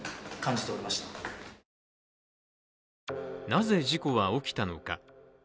なぜ事故は起きたのか。